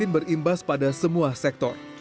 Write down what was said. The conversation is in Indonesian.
berimbas pada semua sektor